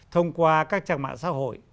thông qua các trang mạng xã hội